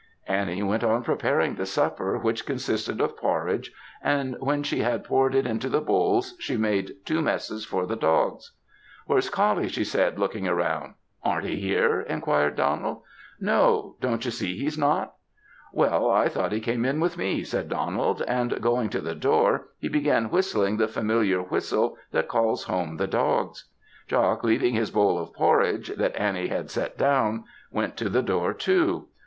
Annie went on preparing the supper, which consisted of porridge; and when she had poured it into the bowls, she made two messes for the dogs. "Where's Coullie?" she said looking round. "Arn't he here?" inquired Donald. "No. Don't you see he's not?" "Well, I thought he came in with me," said Donald; and going to the door he began whistling the familiar whistle that calls home the dogs. Jock leaving his bowl of porridge, that Annie had set down, went to the door too.